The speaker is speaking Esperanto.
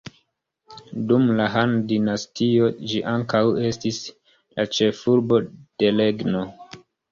Dum la Han-dinastio ĝi ankaŭ estis la ĉefurbo de regno.